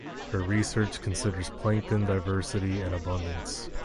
Her research considers plankton diversity and abundance.